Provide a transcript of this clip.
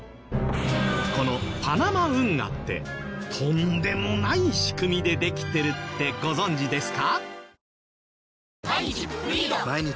このパナマ運河ってとんでもない仕組みでできてるってご存じですか？